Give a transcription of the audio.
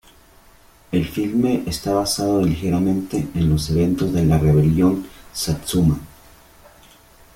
El filme está basado ligeramente en los eventos de la Rebelión Satsuma.